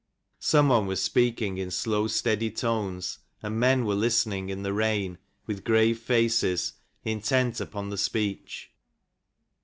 Some one was speaking in slow, steady tones, and men were listening, in the rain, with grave faces, intent upon the speech.